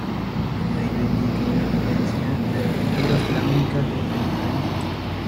Todo ello indica una influencia de la pintura flamenca contemporánea.